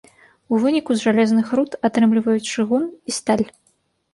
У выніку з жалезных руд атрымліваюць чыгун і сталь.